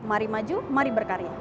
mari maju mari berkarya